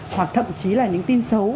hoặc thậm chí là những tin xấu